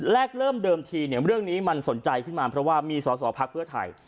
เริ่มเดิมทีเนี่ยเรื่องนี้มันสนใจขึ้นมาเพราะว่ามีสอสอพักเพื่อไทย